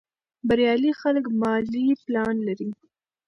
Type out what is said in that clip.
بریالي خلک مالي پلان لري.